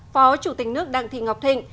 phó chủ tịch nước đặng thị ngọc thịnh